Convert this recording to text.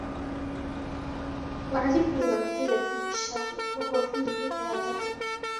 وَعَجِبْت لِمَنْ قِيلَ فِيهِ الشَّرُّ وَهُوَ فِيهِ كَيْفَ يَغْضَبُ